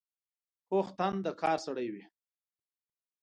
پوخ تن د کار سړی وي